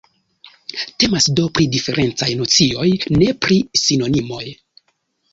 Temas do pri diferencaj nocioj, ne pri sinonimoj.